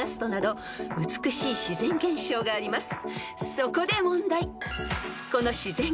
［そこで問題］